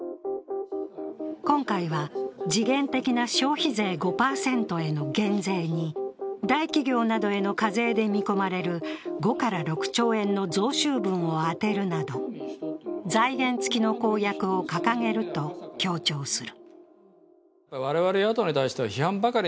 今回は時限的な消費税５％への減税に大企業などへの課税で見込まれる５から６兆円の増税分を充てるなど、財源付きの公約を掲げると強調する。